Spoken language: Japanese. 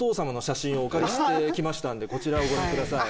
お借りしてきましたんでこちらをご覧ください。